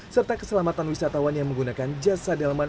serta keselamatan wisatawan yang menggunakan jasa delman